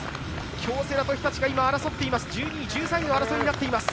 京セラと日立が今、１２位、１３位の争いになっています。